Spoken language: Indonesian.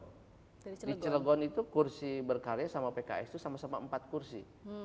di cilegon itu kursi berkarya sama pks itu sama sama empat kursi